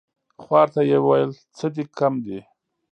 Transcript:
خوار ته يې ويل څه دي کم دي ؟